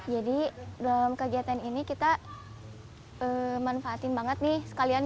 jadi dalam kegiatan ini kita manfaatin banget nih sekalian